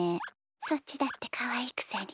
そっちだってかわいいくせに。